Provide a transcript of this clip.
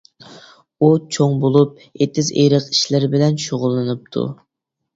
ئۇ چوڭ بولۇپ ئېتىز-ئېرىق ئىشلىرى بىلەن شۇغۇللىنىپتۇ.